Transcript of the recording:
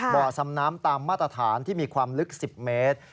บ่อซำน้ำตามมาตรฐานที่มีความลึก๑๐เมตร